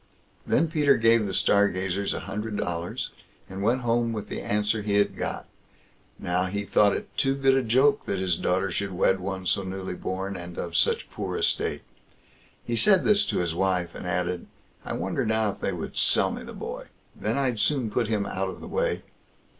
Then Peter gave the Stargazers a hundred dollars, and went home with the answer he had got. Now, he thought it too good a joke that his daughter should wed one so newly born, and of such poor estate. He said this to his wife, and added: "I wonder now if they would sell me the boy; then I'd soon put him out of the way?"